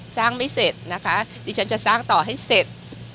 ไม่เสร็จนะคะดิฉันจะสร้างต่อให้เสร็จ